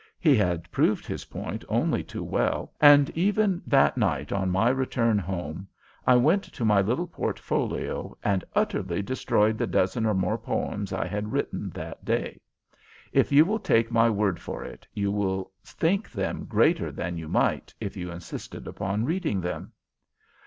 He had proved his point only too well, and even that night, on my return home, I went to my little portfolio and utterly destroyed the dozen or more poems I had written that day. If you will take my word for it, you will think them greater than you might if you insisted upon reading them.